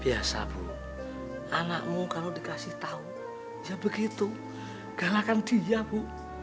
biasa bu anakmu kalau dikasih tahu ya begitu galakan dia bu